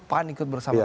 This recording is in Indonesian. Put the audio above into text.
pan ikut bersama kami